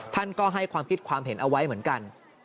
ท่านก็ให้ความคิดความเห็นเอาไว้เหมือนกัน